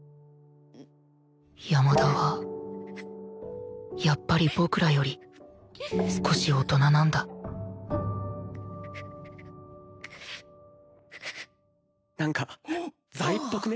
山田はやっぱり僕らより少し大人なんだなんか座位っぽくね？